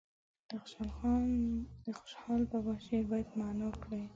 د خوشحال بابا شعر باید معنا کړي.